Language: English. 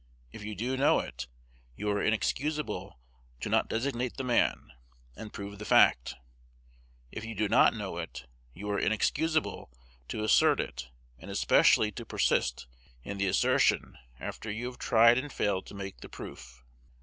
If you do know it, you are inexcusable to not designate the man, and prove the fact. If you do not know it, you are inexcusable to assert it, and especially to persist in the assertion after you have tried and failed to make the proof.